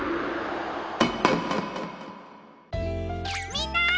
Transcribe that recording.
みんな！